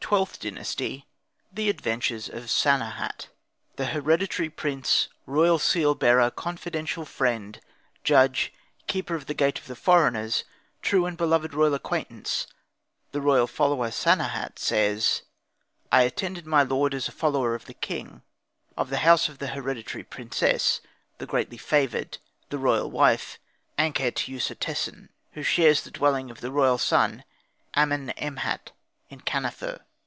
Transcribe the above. XIITH DYNASTY THE ADVENTURES OF SANEHAT The hereditary prince, royal seal bearer, confidential friend, judge, keeper of the gate of the foreigners, true and beloved royal acquaintance, the royal follower Sanehat says: I attended my lord as a follower of the king, of the house of the hereditary princess, the greatly favoured, the royal wife, Ankhet Usertesen, who shares the dwelling of the royal son Amenemhat in Kanefer.